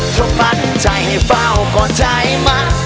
พร้อมพันธุ์ใจให้เฝ้าก่อนใจมา